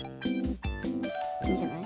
いいんじゃない？